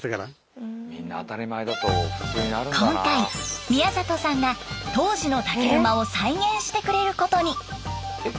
今回宮里さんが当時の竹馬を再現してくれることに。